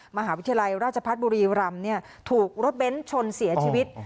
มหาวิทยาลัยราชพัฒน์บุรีรำถูกรถเบ้นชนเสียชีวิต